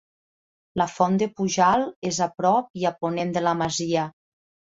La Font de Pujalt és a prop i a ponent de la masia.